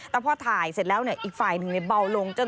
แต่พอถ่ายเสร็จแล้วอีกฝ่ายหนึ่งเบาลง